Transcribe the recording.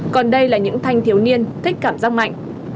còn đây là những thanh thiếu niên thích cảm giác mạnh